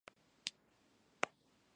შექმნილია კრასნოიარსკის ჰესის კაშხლით.